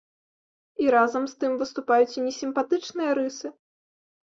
І разам з тым выступаюць і несімпатычныя рысы.